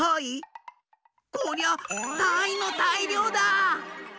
こりゃたいのたいりょうだ！